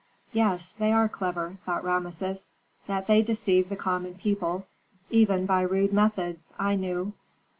"Yes, they are clever!" thought Rameses. "That they deceive the common people, even by rude methods, I knew.